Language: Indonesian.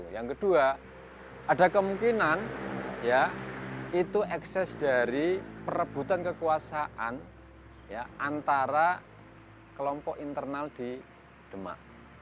yang kedua ada kemungkinan ya itu ekses dari perebutan kekuasaan antara kelompok internal di demak